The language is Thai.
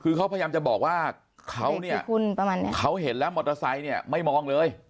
คือเขาพยายามจะบอกว่าเขาเนี่ยเขาเห็นแล้วมอเตอร์ไซค์เนี่ยไม่มองเลย